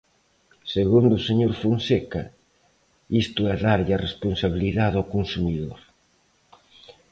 Segundo o señor Fonseca, isto é darlle a responsabilidade ao consumidor.